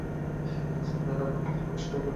সেমিনারে আপনার বক্তব্য বেশ উপভোগ করেছি, প্রফেসর!